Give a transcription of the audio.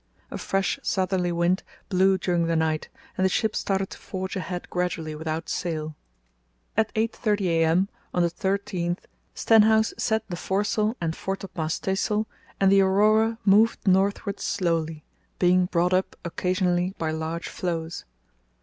A fresh southerly wind blew during the night, and the ship started to forge ahead gradually without sail. At 8.30 a.m. on the 13th Stenhouse set the foresail and foretopmast staysail, and the Aurora moved northward slowly, being brought up occasionally by large floes.